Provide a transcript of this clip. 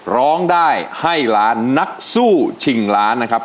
ร้องได้ให้ล้านนักสู้ชิงล้านนะครับ